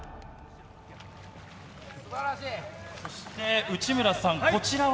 そして、内村さん、こちらは？